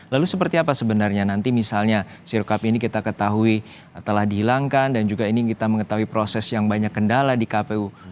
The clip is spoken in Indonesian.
lalu seperti apa sebenarnya nanti misalnya sirkap ini kita ketahui telah dihilangkan dan juga ini kita mengetahui proses yang banyak kendala di kpu